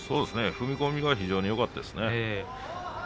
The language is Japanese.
踏み込みが非常に早かったですね。